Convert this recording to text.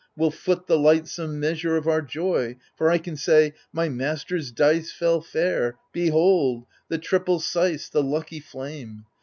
Will foot the lightsome measure of our joy ; For I can say, My tnaster's dice fell fair — Behold/ the triple sice^ the lucky flame